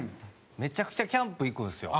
めちゃくちゃキャンプ行くんですよ。